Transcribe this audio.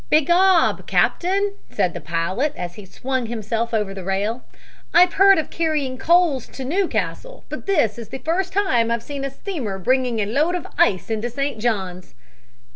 "Begob, captain!" said the pilot, as he swung himself over the rail. "I've heard of carrying coals to Newcastle, but this is the first time I've seen a steamer bringing a load of ice into St. John's."